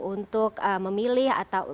untuk memilih atau